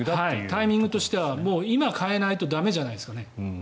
タイミングとしては今変えないと駄目じゃないですかね。